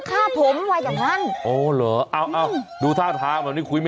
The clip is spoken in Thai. ช่วยเจียมช่วยเจียม